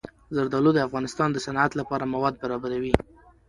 زردالو د افغانستان د صنعت لپاره مواد برابروي.